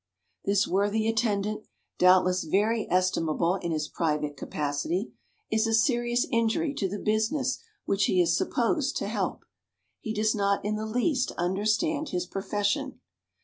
This worthy attendant doubtless very estimable in his private capacity is a serious injury to the business which he is supposed to help. He does not in the least understand his profession.